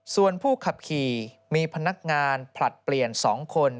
ส่วนผู้ขับขี่มีพนักงานผลัดเปลี่ยน๒คน